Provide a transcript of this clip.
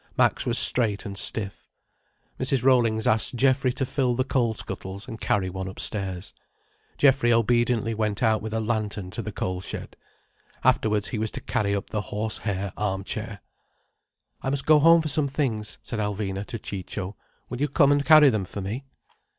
Max was straight and stiff. Mrs. Rollings asked Geoffrey to fill the coal scuttles and carry one upstairs. Geoffrey obediently went out with a lantern to the coal shed. Afterwards he was to carry up the horse hair arm chair. "I must go home for some things," said Alvina to Ciccio. "Will you come and carry them for me?"